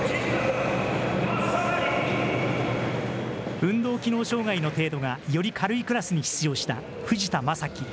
運動機能障害の程度がより軽いクラスに出場した藤田征樹。